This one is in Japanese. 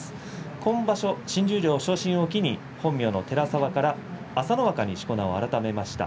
今場所、新十両昇進を機に本名の寺沢から朝乃若にしこ名を変えました。